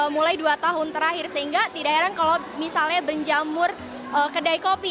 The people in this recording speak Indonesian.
mulai dua tahun terakhir sehingga tidak heran kalau misalnya berjamur kedai kopi